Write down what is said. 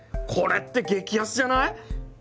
これって激安じゃない？